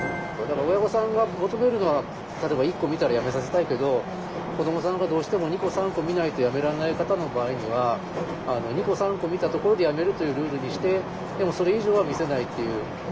だから親御さんが求めるのは例えば１個見たらやめさせたいけど子どもさんがどうしても２個３個見ないとやめられない方の場合には２個３個見たところでやめるというルールにしてでもそれ以上は見せないっていう。